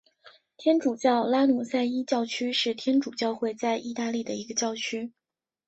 天主教拉努塞伊教区是天主教会在义大利的一个教区。